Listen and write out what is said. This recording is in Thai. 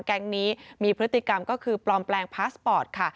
แก๊งนี้มีพฤติกรรมก็คือปลอมแปลงพาสปอร์ตค่ะ